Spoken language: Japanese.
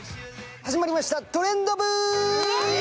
始まりました、トレンド部！